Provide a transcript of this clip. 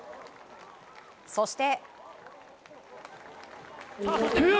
そして。